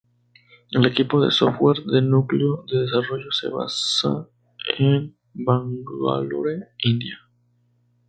El equipo de software de núcleo de desarrollo se basa en Bangalore, India.